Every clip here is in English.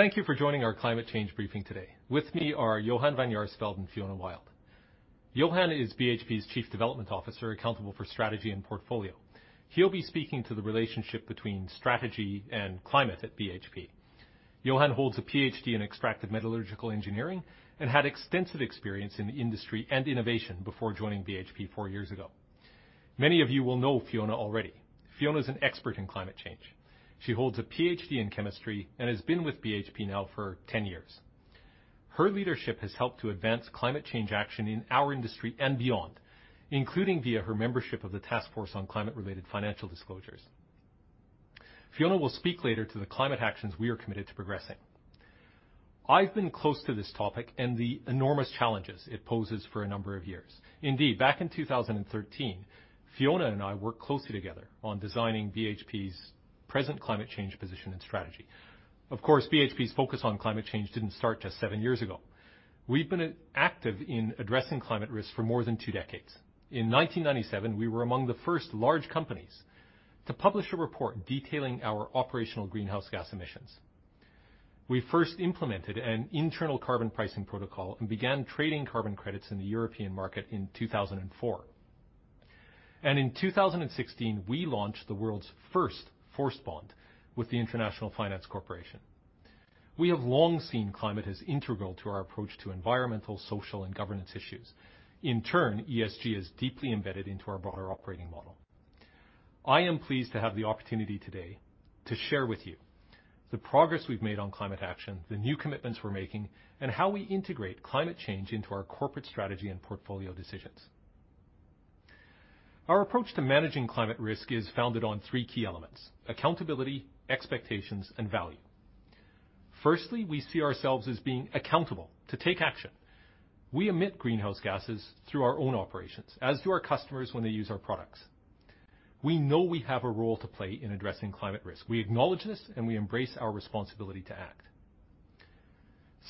Thank you for joining our climate change briefing today. With me are Johan van Jaarsveld and Fiona Wild. Johan is BHP's Chief Development Officer, accountable for strategy and portfolio. He'll be speaking to the relationship between strategy and climate at BHP. Johan holds a PhD in extractive metallurgical engineering and had extensive experience in the industry and innovation before joining BHP four years ago. Many of you will know Fiona already. Fiona is an expert in climate change. She holds a PhD in chemistry and has been with BHP now for 10 years. Her leadership has helped to advance climate change action in our industry and beyond, including via her membership of the Task Force on Climate-related Financial Disclosures. Fiona will speak later to the climate actions we are committed to progressing. I've been close to this topic and the enormous challenges it poses for a number of years. Indeed, back in 2013, Fiona and I worked closely together on designing BHP's present climate change position and strategy. Of course, BHP's focus on climate change didn't start just seven years ago. We've been active in addressing climate risks for more than two decades. In 1997, we were among the first large companies to publish a report detailing our operational greenhouse gas emissions. We first implemented an internal carbon pricing protocol and began trading carbon credits in the European market in 2004. And in 2016, we launched the world's first Forests Bond with the International Finance Corporation. We have long seen climate as integral to our approach to environmental, social, and governance issues. In turn, ESG is deeply embedded into our broader operating model. I am pleased to have the opportunity today to share with you the progress we've made on climate action, the new commitments we're making, and how we integrate climate change into our corporate strategy and portfolio decisions. Our approach to managing climate risk is founded on three key elements, accountability, expectations, and value. Firstly, we see ourselves as being accountable to take action. We emit greenhouse gases through our own operations, as do our customers when they use our products. We know we have a role to play in addressing climate risk. We acknowledge this, and we embrace our responsibility to act.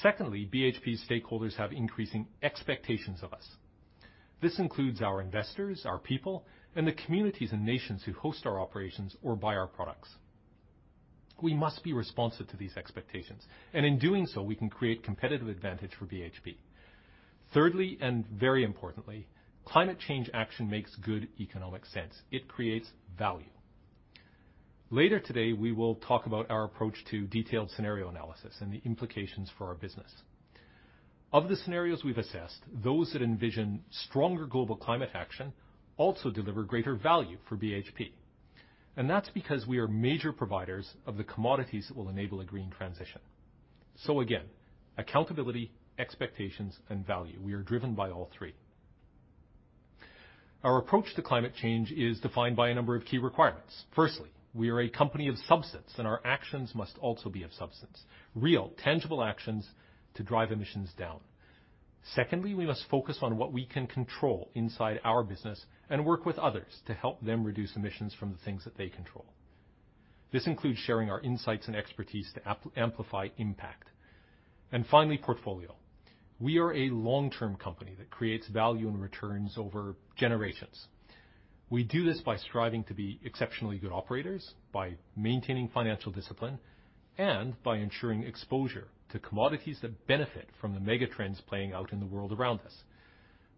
Secondly, BHP stakeholders have increasing expectations of us. This includes our investors, our people, and the communities and nations who host our operations or buy our products. We must be responsive to these expectations, and in doing so, we can create competitive advantage for BHP. Thirdly, and very importantly, climate change action makes good economic sense. It creates value. Later today, we will talk about our approach to detailed scenario analysis and the implications for our business. Of the scenarios we've assessed, those that envision stronger global climate action also deliver greater value for BHP, and that's because we are major providers of the commodities that will enable a green transition. Again, accountability, expectations, and value. We are driven by all three. Our approach to climate change is defined by a number of key requirements. Firstly, we are a company of substance, and our actions must also be of substance, real, tangible actions to drive emissions down. Secondly, we must focus on what we can control inside our business and work with others to help them reduce emissions from the things that they control. This includes sharing our insights and expertise to amplify impact. Finally, portfolio. We are a long-term company that creates value and returns over generations. We do this by striving to be exceptionally good operators, by maintaining financial discipline, and by ensuring exposure to commodities that benefit from the mega trends playing out in the world around us.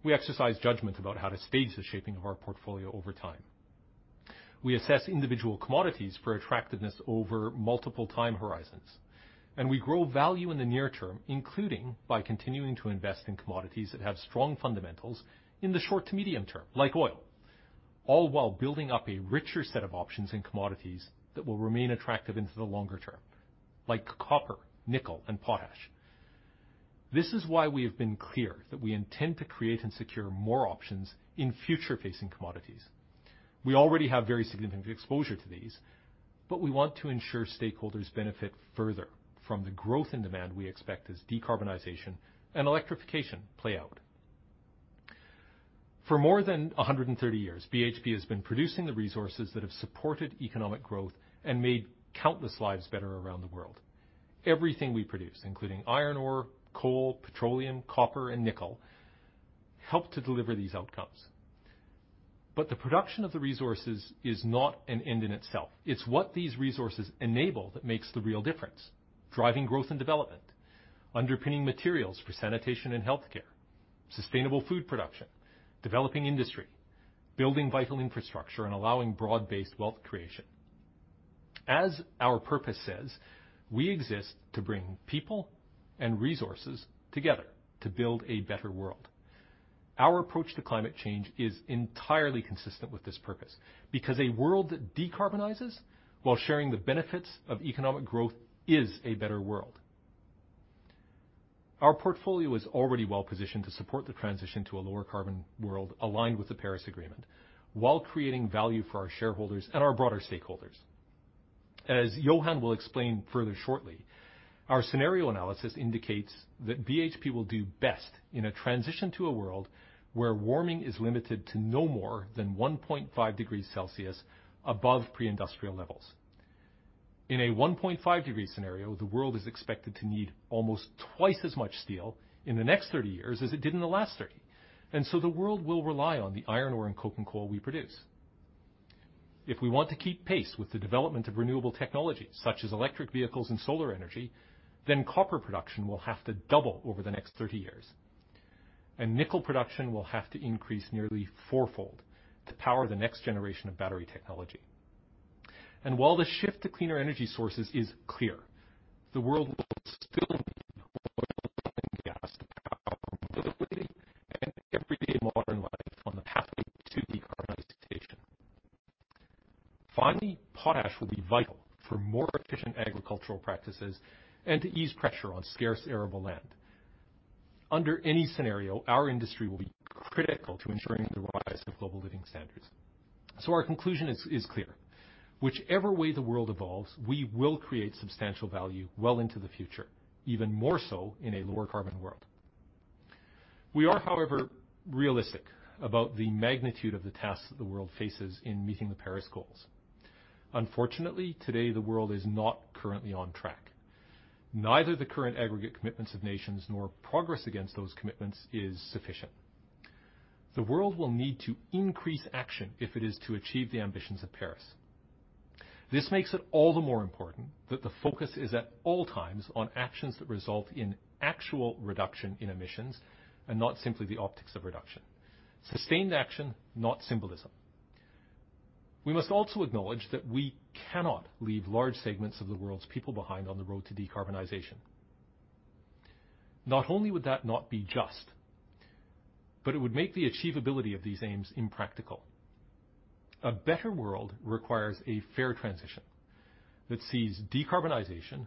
We exercise judgment about how to stage the shaping of our portfolio over time. We assess individual commodities for attractiveness over multiple time horizons, and we grow value in the near term, including by continuing to invest in commodities that have strong fundamentals in the short to medium term, like oil, all while building up a richer set of options in commodities that will remain attractive into the longer term, like copper, nickel, and potash. This is why we have been clear that we intend to create and secure more options in future-facing commodities. We already have very significant exposure to these, but we want to ensure stakeholders benefit further from the growth in demand we expect as decarbonization and electrification play out. For more than 130 years, BHP has been producing the resources that have supported economic growth and made countless lives better around the world. Everything we produce, including iron ore, coal, petroleum, copper, and nickel, helps to deliver these outcomes. The production of the resources is not an end in itself. It's what these resources enable that makes the real difference. Driving growth and development, underpinning materials for sanitation and healthcare, sustainable food production, developing industry, building vital infrastructure, and allowing broad-based wealth creation. As our purpose says, we exist to bring people and resources together to build a better world. Our approach to climate change is entirely consistent with this purpose, because a world that decarbonizes while sharing the benefits of economic growth is a better world. Our portfolio is already well-positioned to support the transition to a lower carbon world aligned with the Paris Agreement while creating value for our shareholders and our broader stakeholders. As Johan will explain further shortly, our scenario analysis indicates that BHP will do best in a transition to a world where warming is limited to no more than 1.5 degrees Celsius above pre-industrial levels. In a 1.5 degree scenario, the world is expected to need almost twice as much steel in the next 30 years as it did in the last 30. The world will rely on the iron ore and coking coal we produce. If we want to keep pace with the development of renewable technologies such as electric vehicles and solar energy, then copper production will have to double over the next 30 years, nickel production will have to increase nearly fourfold to power the next generation of battery technology. While the shift to cleaner energy sources is clear, the world will still need oil and gas to power mobility and everyday modern life on the pathway to decarbonization. Finally, potash will be vital for more efficient agricultural practices and to ease pressure on scarce arable land. Under any scenario, our industry will be critical to ensuring the rise of global living standards. Our conclusion is clear. Whichever way the world evolves, we will create substantial value well into the future, even more so in a lower-carbon world. We are, however, realistic about the magnitude of the tasks that the world faces in meeting the Paris goals. Unfortunately, today the world is not currently on track. Neither the current aggregate commitments of nations nor progress against those commitments is sufficient. The world will need to increase action if it is to achieve the ambitions of Paris. This makes it all the more important that the focus is at all times on actions that result in actual reduction in emissions and not simply the optics of reduction. Sustained action, not symbolism. We must also acknowledge that we cannot leave large segments of the world's people behind on the road to decarbonization. Not only would that not be just, but it would make the achievability of these aims impractical. A better world requires a fair transition that sees decarbonization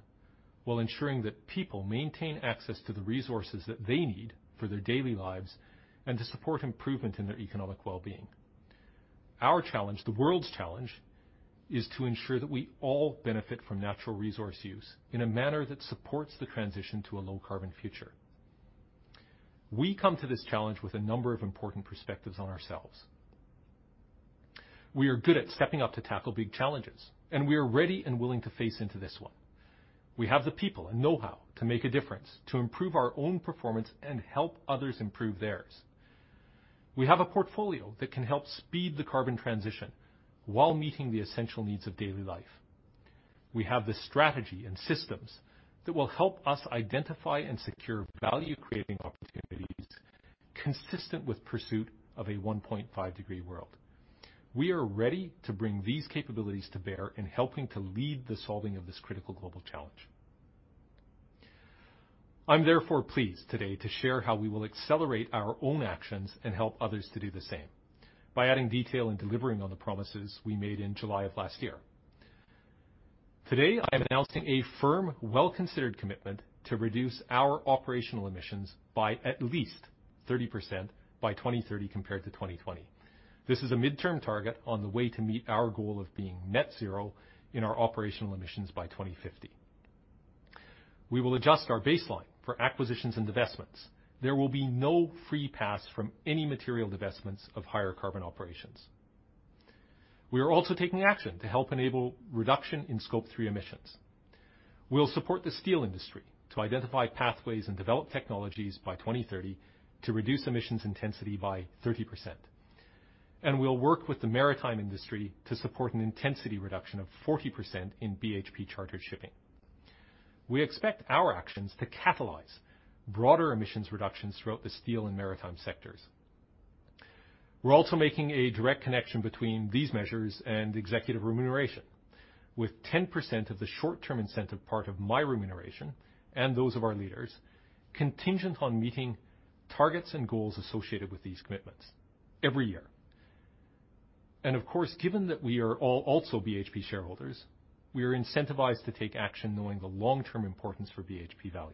while ensuring that people maintain access to the resources that they need for their daily lives and to support improvement in their economic well-being. Our challenge, the world's challenge, is to ensure that we all benefit from natural resource use in a manner that supports the transition to a low-carbon future. We come to this challenge with a number of important perspectives on ourselves. We are good at stepping up to tackle big challenges, and we are ready and willing to face into this one. We have the people and know-how to make a difference, to improve our own performance and help others improve theirs. We have a portfolio that can help speed the carbon transition while meeting the essential needs of daily life. We have the strategy and systems that will help us identify and secure value-creating opportunities consistent with pursuit of a 1.5-degree world. We are ready to bring these capabilities to bear in helping to lead the solving of this critical global challenge. I'm therefore pleased today to share how we will accelerate our own actions and help others to do the same by adding detail and delivering on the promises we made in July of last year. Today, I am announcing a firm, well-considered commitment to reduce our operational emissions by at least 30% by 2030 compared to 2020. This is a midterm target on the way to meet our goal of being net zero in our operational emissions by 2050. We will adjust our baseline for acquisitions and divestments. There will be no free pass from any material divestments of higher carbon operations. We are also taking action to help enable reduction in Scope 3 emissions. We'll support the steel industry to identify pathways and develop technologies by 2030 to reduce emissions intensity by 30%, and we'll work with the maritime industry to support an intensity reduction of 40% in BHP charter shipping. We expect our actions to catalyze broader emissions reductions throughout the steel and maritime sectors. We're also making a direct connection between these measures and executive remuneration, with 10% of the short-term incentive part of my remuneration and those of our leaders contingent on meeting targets and goals associated with these commitments every year. Of course, given that we are all also BHP shareholders, we are incentivized to take action, knowing the long-term importance for BHP value.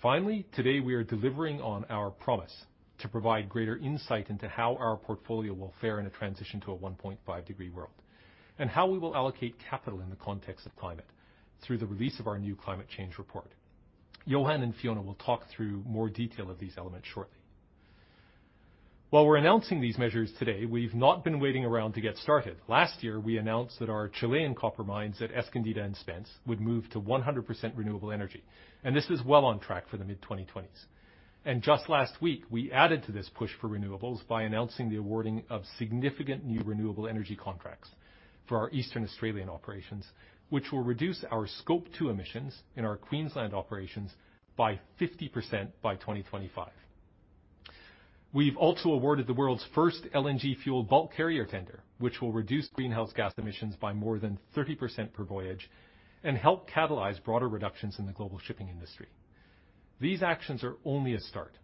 Finally, today, we are delivering on our promise to provide greater insight into how our portfolio will fare in a transition to a 1.5-degree world and how we will allocate capital in the context of climate through the release of our new climate change report. Johan and Fiona Wild will talk through more details of these elements shortly. We're announcing these measures today; we've not been waiting around to get started. Last year, we announced that our Chilean copper mines at Escondida and Spence would move to 100% renewable energy; this is well on track for the mid-2020s. Just last week, we added to this push for renewables by announcing the awarding of significant new renewable energy contracts for our Eastern Australian operations, which will reduce our Scope 2 emissions in our Queensland operations by 50% by 2025. We've also awarded the world's first LNG-fueled bulk carrier tender, which will reduce greenhouse gas emissions by more than 30% per voyage and help catalyze broader reductions in the global shipping industry. These actions are only a start;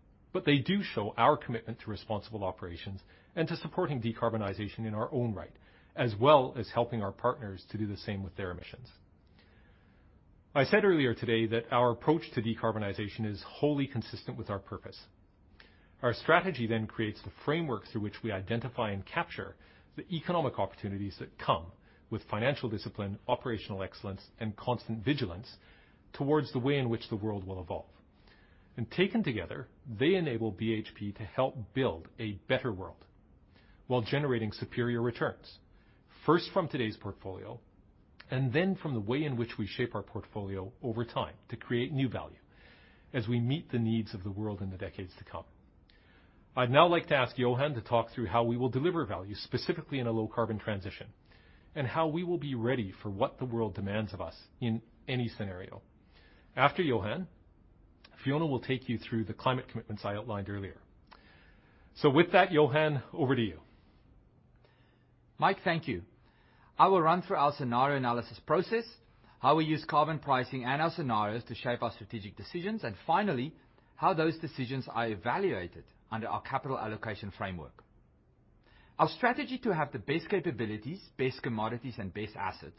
they do show our commitment to responsible operations and to supporting decarbonization in our own right, as well as helping our partners to do the same with their emissions. I said earlier today that our approach to decarbonization is wholly consistent with our purpose. Our strategy creates the framework through which we identify and capture the economic opportunities that come with financial discipline, operational excellence, and constant vigilance towards the way in which the world will evolve. Taken together, they enable BHP to help build a better world while generating superior returns. First from today's portfolio, and then from the way in which we shape our portfolio over time to create new value as we meet the needs of the world in the decades to come. I'd now like to ask Johan to talk through how we will deliver value specifically in a low-carbon transition and how we will be ready for what the world demands of us in any scenario. After Johan, Fiona will take you through the climate commitments I outlined earlier. With that, Johan, over to you. Mike, thank you. I will run through our scenario analysis process, how we use carbon pricing and our scenarios to shape our strategic decisions, finally, how those decisions are evaluated under our capital allocation framework. Our strategy to have the best capabilities, best commodities, and best assets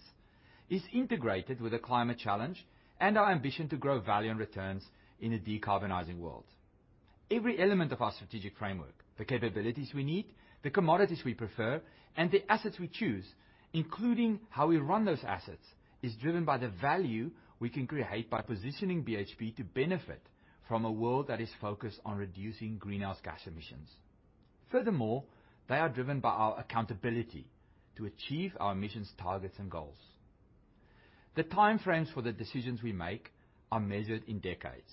is integrated with the climate challenge and our ambition to grow value and returns in a decarbonizing world. Every element of our strategic framework, the capabilities we need, the commodities we prefer, and the assets we choose, including how we run those assets, is driven by the value we can create by positioning BHP to benefit from a world that is focused on reducing greenhouse gas emissions. Furthermore, they are driven by our accountability to achieve our emissions targets and goals. The time frames for the decisions we make are measured in decades.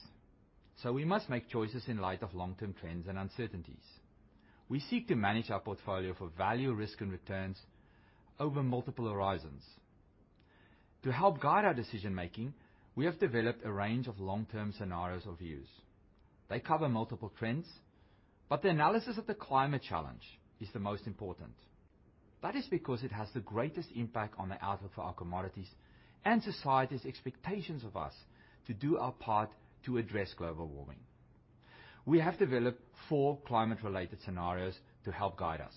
We must make choices in light of long-term trends and uncertainties. We seek to manage our portfolio for value, risk, and returns over multiple horizons. To help guide our decision-making, we have developed a range of long-term scenarios or views. They cover multiple trends, but the analysis of the climate challenge is the most important. That is because it has the greatest impact on the outlook for our commodities and society's expectations of us to do our part to address global warming. We have developed four climate-related scenarios to help guide us.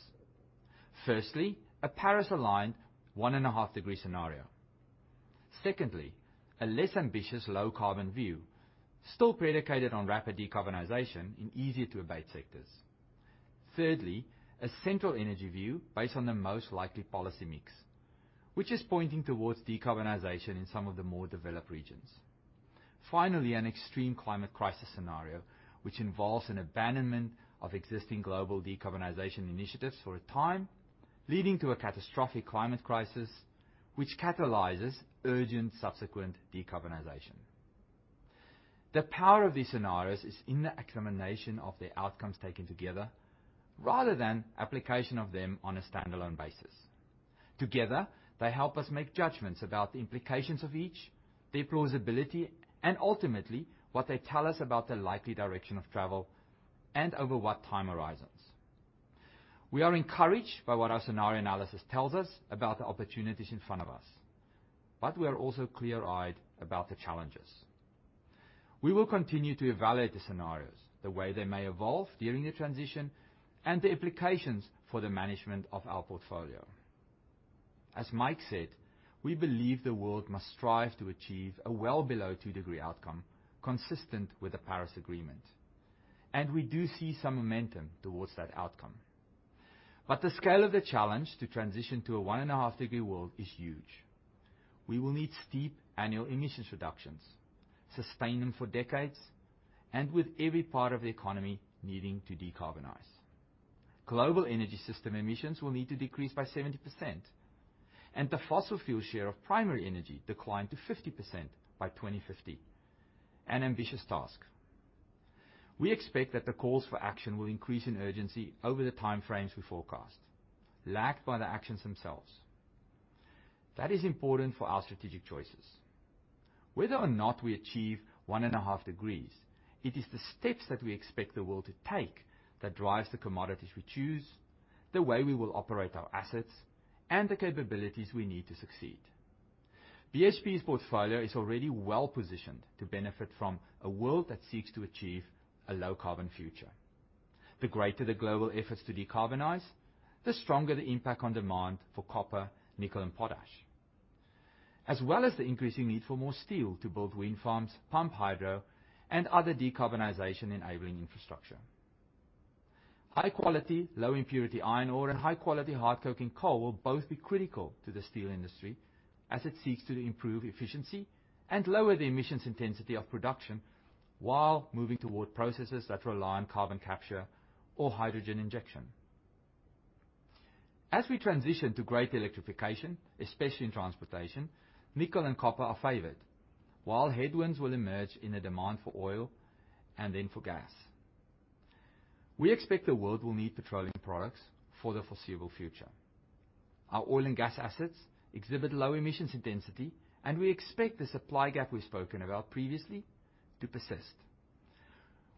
Firstly, a Paris-aligned 1.5 degree scenario. Secondly, a less ambitious low-carbon view, still predicated on rapid decarbonization in easier-to-abate sectors. Thirdly, a central energy view based on the most likely policy mix, which is pointing towards decarbonization in some of the more developed regions. Finally, an extreme climate crisis scenario, which involves an abandonment of existing global decarbonization initiatives for a time, leading to a catastrophic climate crisis, which catalyzes urgent subsequent decarbonization. The power of these scenarios is in the examination of their outcomes taken together rather than application of them on a standalone basis. Together, they help us make judgments about the implications of each, their plausibility, and ultimately, what they tell us about the likely direction of travel and over what time horizons. We are encouraged by what our scenario analysis tells us about the opportunities in front of us. We are also clear-eyed about the challenges. We will continue to evaluate the scenarios, the way they may evolve during the transition, and the implications for the management of our portfolio. As Mike said, we believe the world must strive to achieve a well below 2-degree outcome consistent with the Paris Agreement, and we do see some momentum towards that outcome. The scale of the challenge to transition to a 1.5 degree world is huge. We will need steep annual emissions reductions, sustain them for decades, and with every part of the economy needing to decarbonize. Global energy system emissions will need to decrease by 70%, and the fossil fuel share of primary energy decline to 50% by 2050. An ambitious task. We expect that the calls for action will increase in urgency over the time frames we forecast, lagged by the actions themselves. That is important for our strategic choices. Whether or not we achieve one and a half degrees, it is the steps that we expect the world to take that drives the commodities we choose, the way we will operate our assets, and the capabilities we need to succeed. BHP's portfolio is already well-positioned to benefit from a world that seeks to achieve a low-carbon future. The greater the global efforts to decarbonize, the stronger the impact on demand for copper, nickel, and potash. As well as the increasing need for more steel to build wind farms, pumped hydro, and other decarbonization-enabling infrastructure. High-quality, low-impurity iron ore and high-quality hard coking coal will both be critical to the steel industry as it seeks to improve efficiency and lower the emissions intensity of production while moving toward processes that rely on carbon capture or hydrogen injection. As we transition to greater electrification, especially in transportation, nickel and copper are favored, while headwinds will emerge in the demand for oil and then for gas. We expect the world will need petroleum products for the foreseeable future. Our oil and gas assets exhibit low emissions intensity, and we expect the supply gap we've spoken about previously to persist.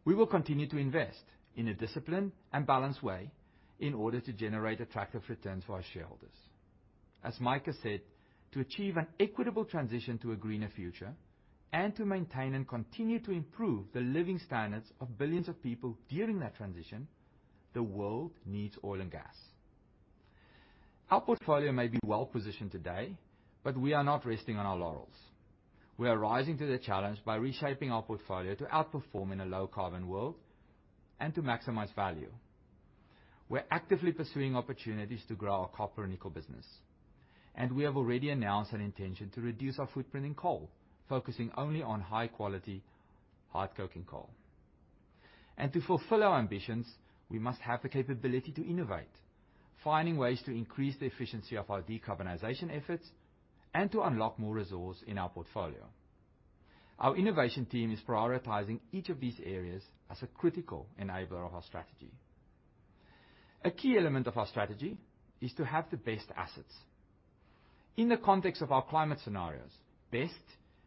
We will continue to invest in a disciplined and balanced way in order to generate attractive returns for our shareholders. As Mike has said, to achieve an equitable transition to a greener future and to maintain and continue to improve the living standards of billions of people during that transition, the world needs oil and gas. Our portfolio may be well-positioned today, but we are not resting on our laurels. We are rising to the challenge by reshaping our portfolio to outperform in a low-carbon world and to maximize value. We're actively pursuing opportunities to grow our copper and nickel business. We have already announced an intention to reduce our footprint in coal, focusing only on high-quality hard coking coal. To fulfill our ambitions, we must have the capability to innovate, finding ways to increase the efficiency of our decarbonization efforts and to unlock more resources in our portfolio. Our innovation team is prioritizing each of these areas as a critical enabler of our strategy. A key element of our strategy is to have the best assets. In the context of our climate scenarios, "best"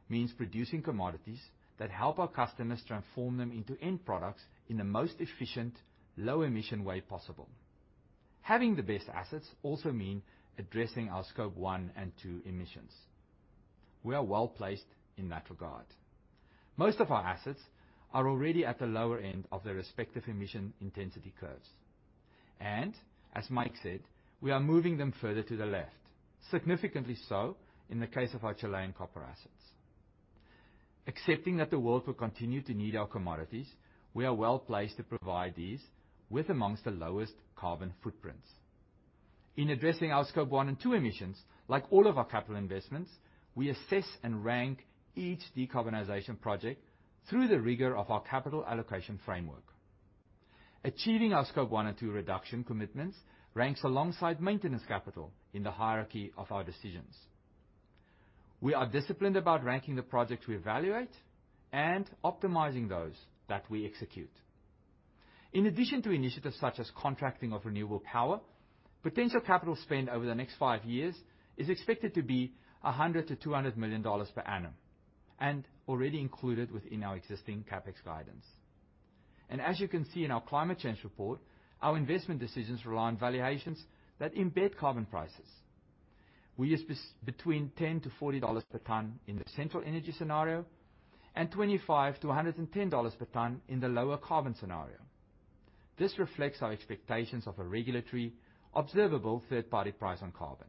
means producing commodities that help our customers transform them into end products in the most efficient, low-emission way possible. Having the best assets also means addressing our Scope 1 and 2 emissions. We are well-placed in that regard. Most of our assets are already at the lower end of their respective emission intensity curves. As Mike said, we are moving them further to the left, significantly so in the case of our Chilean copper assets. Accepting that the world will continue to need our commodities, we are well-placed to provide these with amongst the lowest carbon footprints. In addressing our Scope 1 and 2 emissions, like all of our capital investments, we assess and rank each decarbonization project through the rigor of our capital allocation framework. Achieving our Scope 1 and 2 reduction commitments ranks alongside maintenance capital in the hierarchy of our decisions. We are disciplined about ranking the projects we evaluate and optimizing those that we execute. In addition to initiatives such as contracting of renewable power, potential capital spend over the next five years is expected to be $100 million to $200 million per annum, already included within our existing CapEx guidance. As you can see in our climate change report, our investment decisions rely on valuations that embed carbon prices. We use between $10 to $40 per ton in the central energy scenario and $25 to $110 per ton in the lower carbon scenario. This reflects our expectations of a regularly observable third-party price on carbon.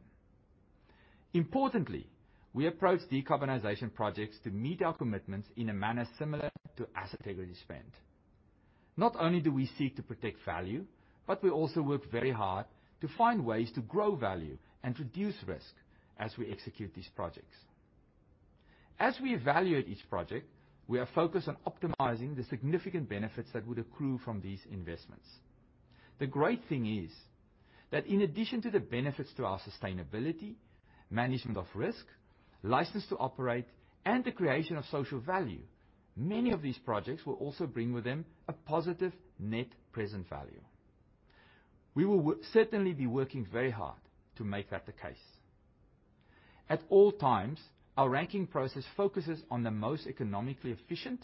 Importantly, we approach decarbonization projects to meet our commitments in a manner similar to asset integrity spend. Not only do we seek to protect value, we also work very hard to find ways to grow value and reduce risk as we execute these projects. As we evaluate each project, we are focused on optimizing the significant benefits that would accrue from these investments. The great thing is that in addition to the benefits to our sustainability, management of risk, license to operate, and the creation of social value, many of these projects will also bring with them a positive net present value. We will certainly be working very hard to make that the case. At all times, our ranking process focuses on the most economically efficient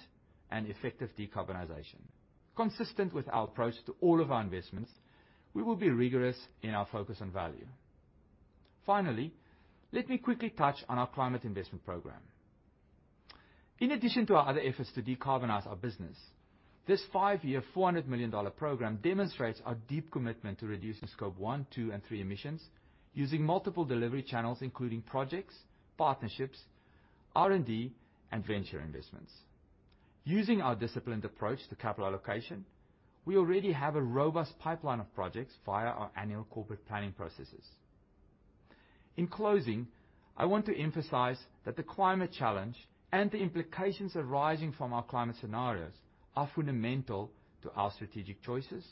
and effective decarbonization. Consistent with our approach to all of our investments, we will be rigorous in our focus on value. Finally, let me quickly touch on our climate investment program. In addition to our other efforts to decarbonize our business, this five-year, $400 million program demonstrates our deep commitment to reducing Scope 1, 2, and 3 emissions using multiple delivery channels, including projects, partnerships, R&D, and venture investments. Using our disciplined approach to capital allocation, we already have a robust pipeline of projects via our annual corporate planning processes. In closing, I want to emphasize that the climate challenge and the implications arising from our climate scenarios are fundamental to our strategic choices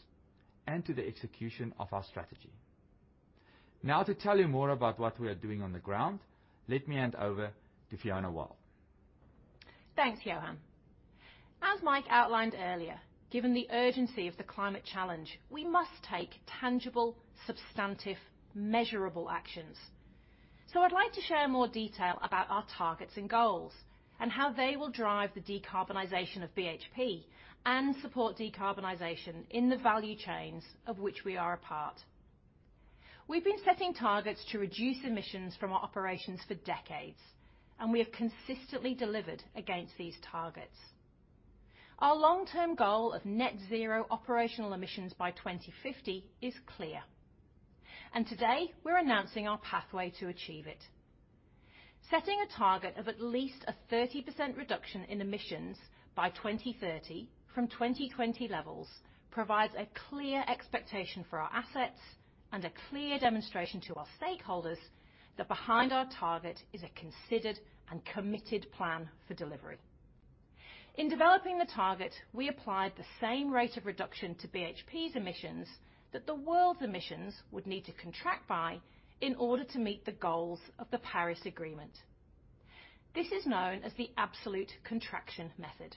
and to the execution of our strategy. Now to tell you more about what we are doing on the ground, let me hand over to Fiona Wild. Thanks, Johan. As Mike outlined earlier, given the urgency of the climate challenge, we must take tangible, substantive, measurable actions. I'd like to share more detail about our targets and goals and how they will drive the decarbonization of BHP and support decarbonization in the value chains of which we are a part. We've been setting targets to reduce emissions from our operations for decades, and we have consistently delivered against these targets. Our long-term goal of net zero operational emissions by 2050 is clear, and today, we're announcing our pathway to achieve it. Setting a target of at least a 30% reduction in emissions by 2030 from 2020 levels provides a clear expectation for our assets and a clear demonstration to our stakeholders that behind our target is a considered and committed plan for delivery. In developing the target, we applied the same rate of reduction to BHP's emissions that the world's emissions would need to contract by in order to meet the goals of the Paris Agreement. This is known as the Absolute Contraction Method.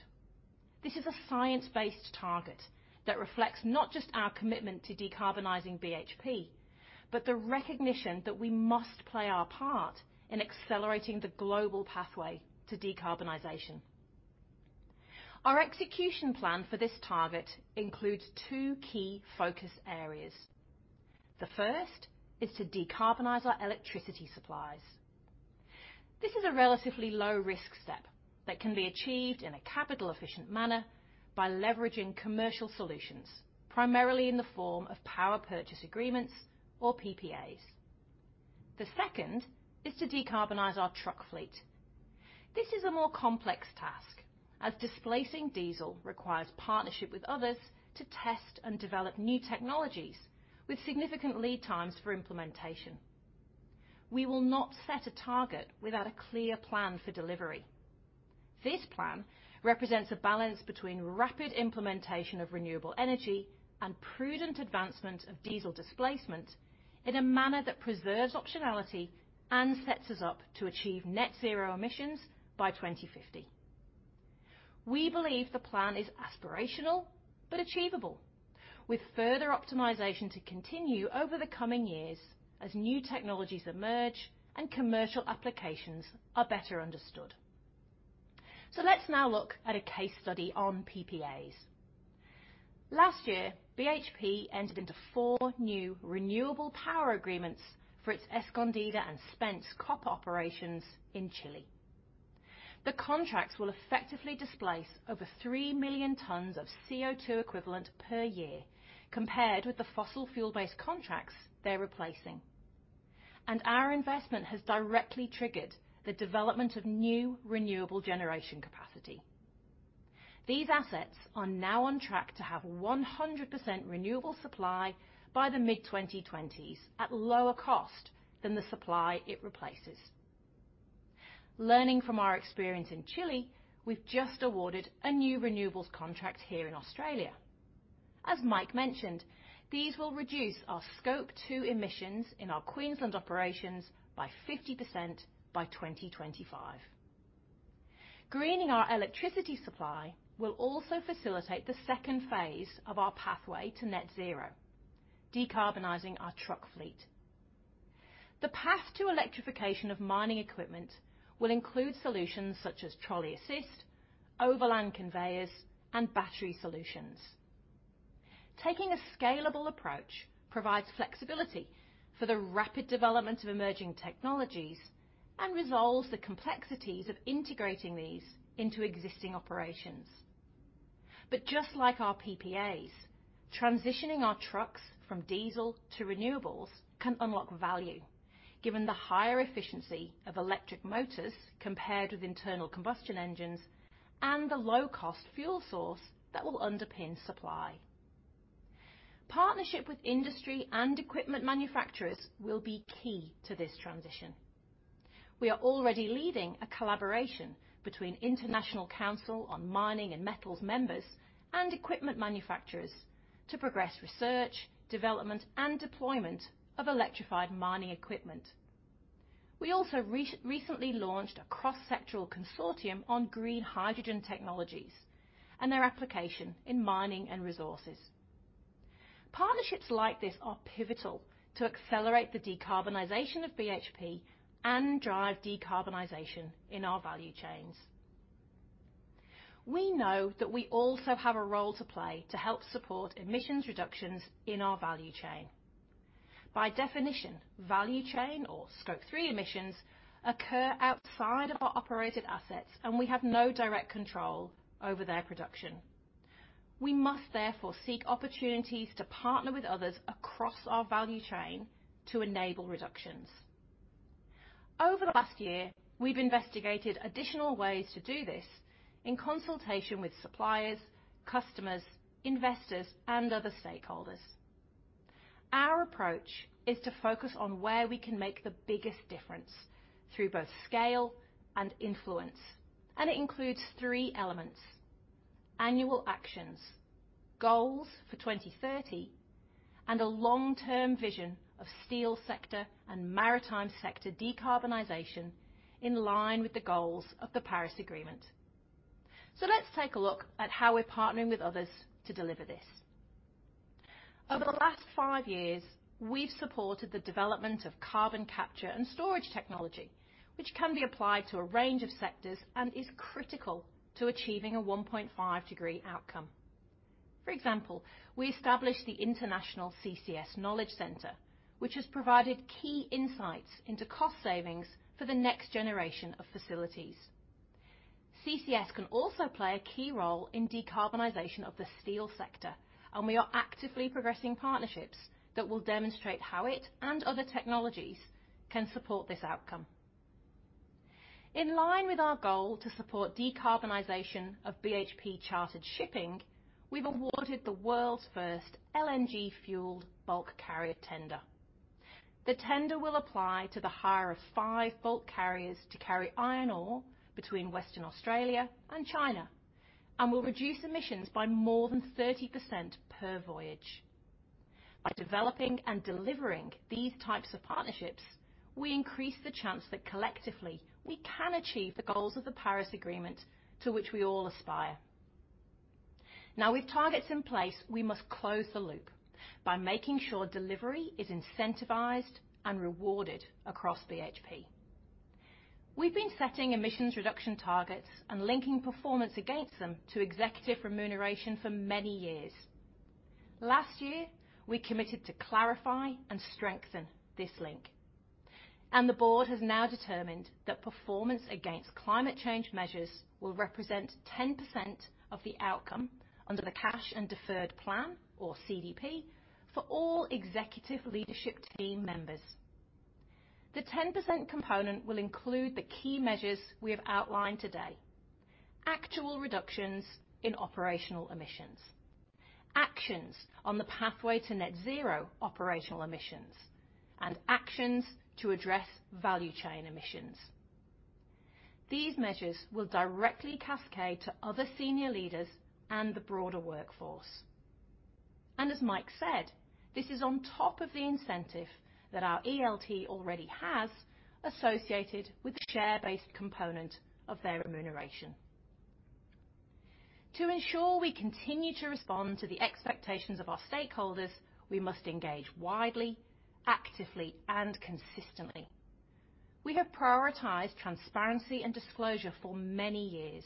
This is a science-based target that reflects not just our commitment to decarbonizing BHP, but the recognition that we must play our part in accelerating the global pathway to decarbonization. Our execution plan for this target includes two key focus areas. The first is to decarbonize our electricity supplies. This is a relatively low-risk step that can be achieved in a capital-efficient manner by leveraging commercial solutions, primarily in the form of Power Purchase Agreements or PPAs. The second is to decarbonize our truck fleet. This is a more complex task, as displacing diesel requires partnership with others to test and develop new technologies with significant lead times for implementation. We will not set a target without a clear plan for delivery. This plan represents a balance between rapid implementation of renewable energy and prudent advancement of diesel displacement in a manner that preserves optionality and sets us up to achieve net zero emissions by 2050. We believe the plan is aspirational but achievable, with further optimization to continue over the coming years as new technologies emerge and commercial applications are better understood. Let's now look at a case study on PPAs. Last year, BHP entered into four new renewable power agreements for its Escondida and Spence copper operations in Chile. The contracts will effectively displace over 3 million tons of CO2 equivalent per year, compared with the fossil fuel-based contracts they're replacing. Our investment has directly triggered the development of new renewable generation capacity. These assets are now on track to have 100% renewable supply by the mid-2020s at lower cost than the supply it replaces. Learning from our experience in Chile, we've just awarded a new renewables contract here in Australia. As Mike mentioned, these will reduce our Scope 2 emissions in our Queensland operations by 50% by 2025. Greening our electricity supply will also facilitate the second phase of our pathway to net zero, decarbonizing our truck fleet. The path to electrification of mining equipment will include solutions such as trolley assist, overland conveyors, and battery solutions. Taking a scalable approach provides flexibility for the rapid development of emerging technologies and resolves the complexities of integrating these into existing operations. Just like our PPAs, transitioning our trucks from diesel to renewables can unlock value, given the higher efficiency of electric motors compared with internal combustion engines and the low-cost fuel source that will underpin supply. Partnership with industry and equipment manufacturers will be key to this transition. We are already leading a collaboration between International Council on Mining and Metals members and equipment manufacturers to progress research, development, and deployment of electrified mining equipment. We also recently launched a cross-sectoral consortium on green hydrogen technologies and their application in mining and resources. Partnerships like this are pivotal to accelerate the decarbonization of BHP and drive decarbonization in our value chains. We know that we also have a role to play to help support emissions reductions in our value chain. By definition, value chain or Scope 3 emissions occur outside of our operated assets, and we have no direct control over their production. We must therefore seek opportunities to partner with others across our value chain to enable reductions. Over the last year, we've investigated additional ways to do this in consultation with suppliers, customers, investors, and other stakeholders. Our approach is to focus on where we can make the biggest difference through both scale and influence, and it includes three elements: annual actions, goals for 2030, and a long-term vision of steel sector and maritime sector decarbonization in line with the goals of the Paris Agreement. Let's take a look at how we're partnering with others to deliver this. Over the last five years, we've supported the development of carbon capture and storage technology, which can be applied to a range of sectors and is critical to achieving a 1.5-degree outcome. For example, we established the International CCS Knowledge Centre, which has provided key insights into cost savings for the next generation of facilities. CCS can also play a key role in decarbonization of the steel sector, and we are actively progressing partnerships that will demonstrate how it and other technologies can support this outcome. In line with our goal to support decarbonization of BHP chartered shipping, we've awarded the world's first LNG-fueled bulk carrier tender. The tender will apply to the hire of five bulk carriers to carry iron ore between Western Australia and China and will reduce emissions by more than 30% per voyage. By developing and delivering these types of partnerships, we increase the chance that collectively, we can achieve the goals of the Paris Agreement to which we all aspire. With targets in place, we must close the loop by making sure delivery is incentivized and rewarded across BHP. We've been setting emissions reduction targets and linking performance against them to executive remuneration for many years. Last year, we committed to clarify and strengthen this link, the board has now determined that performance against climate change measures will represent 10% of the outcome under the Cash and Deferred Plan, or CDP, for all executive leadership team members. The 10% component will include the key measures we have outlined today. Actual reductions in operational emissions. Actions on the pathway to net zero operational emissions and actions to address value chain emissions. These measures will directly cascade to other senior leaders and the broader workforce. As Mike said, this is on top of the incentive that our ELT already has associated with the share-based component of their remuneration. To ensure we continue to respond to the expectations of our stakeholders, we must engage widely, actively, and consistently. We have prioritized transparency and disclosure for many years.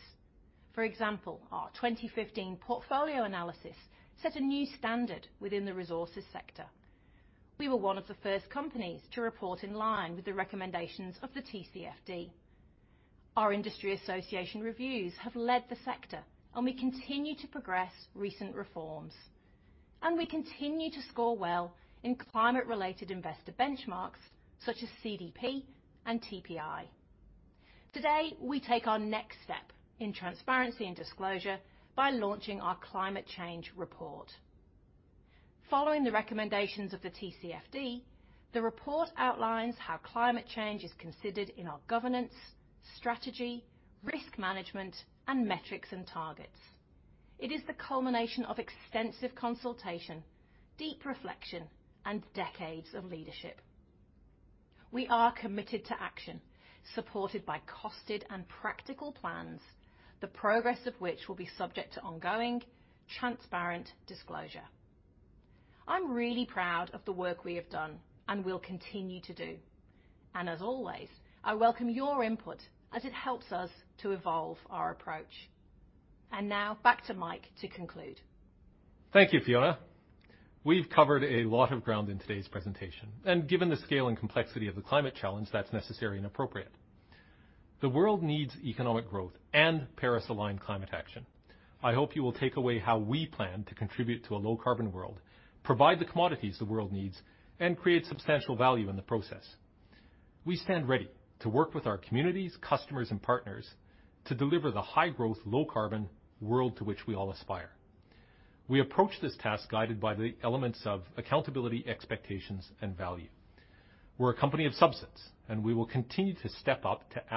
For example, our 2015 portfolio analysis set a new standard within the resources sector. We were one of the first companies to report in line with the recommendations of the TCFD. Our industry association reviews have led the sector; we continue to progress recent reforms, and we continue to score well in climate-related investor benchmarks such as CDP and TPI. Today, we take our next step in transparency and disclosure by launching our climate change report. Following the recommendations of the TCFD, the report outlines how climate change is considered in our governance, strategy, risk management, and metrics and targets. It is the culmination of extensive consultation, deep reflection, and decades of leadership. We are committed to action supported by costed and practical plans, the progress of which will be subject to ongoing transparent disclosure. I'm really proud of the work we have done and will continue to do; as always, I welcome your input as it helps us to evolve our approach. Now back to Mike to conclude. Thank you, Fiona. We've covered a lot of ground in today's presentation, and given the scale and complexity of the climate challenge, that's necessary and appropriate. The world needs economic growth and Paris-aligned climate action. I hope you will take away how we plan to contribute to a low-carbon world, provide the commodities the world needs, and create substantial value in the process. We stand ready to work with our communities, customers, and partners to deliver the high-growth, low-carbon world to which we all aspire. We approach this task guided by the elements of accountability, expectations, and value. We're a company of substance, and we will continue to step up to act.